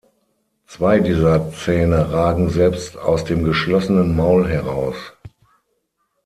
Zwei dieser Zähne ragen selbst aus dem geschlossenen Maul heraus.